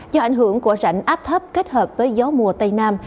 do ảnh hưởng của rãnh áp thấp kết hợp với gió mùa tây nam